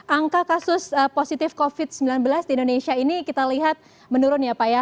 angka kasus positif covid sembilan belas di indonesia ini kita lihat menurun ya pak ya